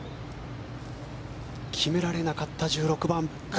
決められなかった１６番。